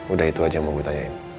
udah itu aja mau gue tanyain